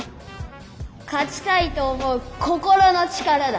勝ちたいと思う「心の力」だ。